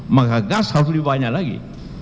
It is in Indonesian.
maka gas harus dibanyak lagi